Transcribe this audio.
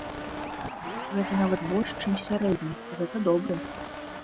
Гэта нават больш чым сярэдні, гэта добры.